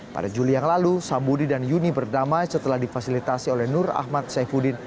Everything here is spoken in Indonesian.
pada juli yang lalu sambudi dan yuni berdamai setelah difasilitasi oleh nur ahmad saifuddin